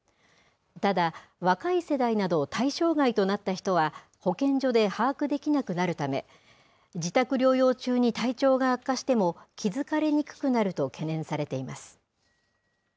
ただ、若い世代など対象外となった人は、保健所で把握できなくなるため、自宅療養中に体調が悪化しても、気付かれにくくなると懸念されています。